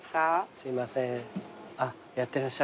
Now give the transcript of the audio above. すいません。